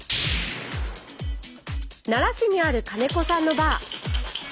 奈良市にある金子さんのバー。